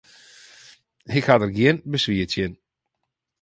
Ik ha der gjin beswier tsjin.